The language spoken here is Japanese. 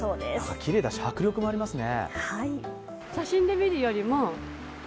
きれいだし迫力もありますね。